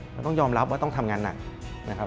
เราต้องยอมรับว่าต้องทำงานหนักนะครับ